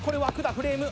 フレーム